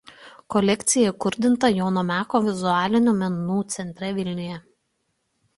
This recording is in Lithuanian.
Kolekcija įkurdinta Jono Meko vizualiųjų menų centre Vilniuje.